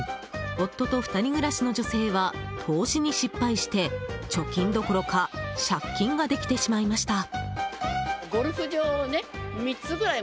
夫と２人暮らしの女性は投資に失敗して貯金どころか借金ができてしまいました。